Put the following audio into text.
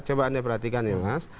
coba anda perhatikan ya mas